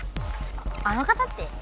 あの方って？